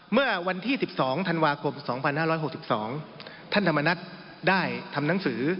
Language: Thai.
เมื่อวันที่๑๒ธันวาคม๒๕๖๒ท่านธรรมนัฐได้ทำหนังสือ